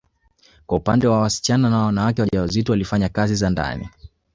Kwa upande wa wasichana na wanawake wajawazito walifanya kazi za ndani